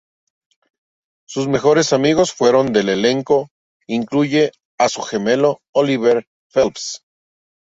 Sus mejores amigos fueron del elenco incluyen a su gemelo Oliver Phelps.